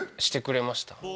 してくれました